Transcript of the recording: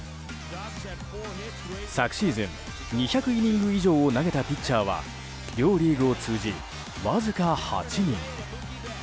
昨シーズン２００イニング以上を投げたピッチャーは両リーグを通じ、わずか８人。